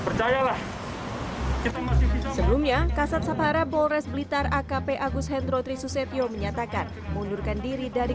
sebelumnya kasat sabhara polres blitar akp agus hendro tri susetyo menyatakan mundurkan diri dari